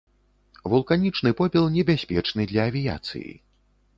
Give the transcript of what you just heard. Вулканічны попел небяспечны для авіяцыі.